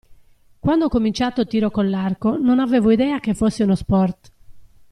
Quando ho cominciato tiro con l'arco, non avevo idea che fosse uno sport.